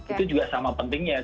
itu juga sama pentingnya